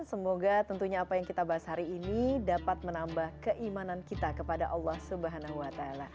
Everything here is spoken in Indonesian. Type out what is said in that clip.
semoga tentunya apa yang kita bahas hari ini dapat menambah keimanan kita kepada allah swt